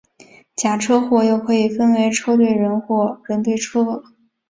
假车祸又可以分为车对车或人对车。